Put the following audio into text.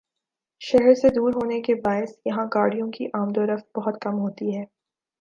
شہر سے دور ہونے کے باعث یہاں گاڑیوں کی آمدورفت بہت کم ہوتی ہے ۔